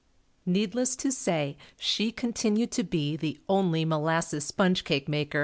Needless to say, she continued to be the only molasses sponge cake maker.